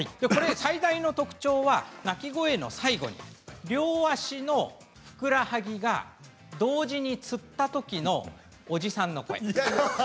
これ最大の特徴は鳴き声の最後に両足のふくらはぎが同時につったときのおじさんの声。